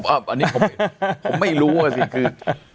อันนี้ผมไม่รู้ว่าสิคือ